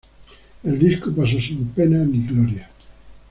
El disco pasó sin pena ni gloria.